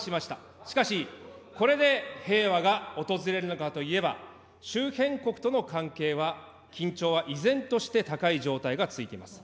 しかし、これで平和が訪れるのかといえば、周辺国との関係は緊張は依然として高い状態が続いています。